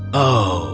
gelar suku itu